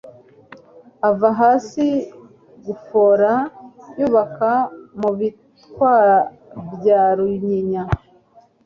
Ava hasi Rufora yubaka mu Bitwa bya Runyinya,